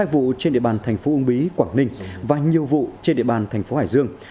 hai vụ trên địa bàn thành phố uông bí quảng ninh và nhiều vụ trên địa bàn thành phố hải dương